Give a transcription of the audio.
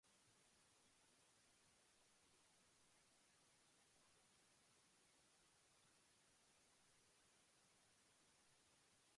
Empero las cuestiones necias y sin sabiduría desecha, sabiendo que engendran contiendas.